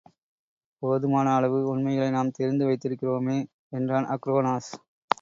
போதுமான அளவு, உண்மைகளை நாம் தெரிந்து வைத்திருக்கிறோமே! என்றான் அக்ரோனோஸ்.